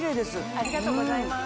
ありがとうございます。